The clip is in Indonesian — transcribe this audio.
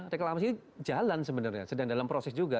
reklamasi itu jalan sebenarnya sedang dalam proses juga